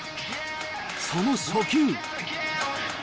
その初球。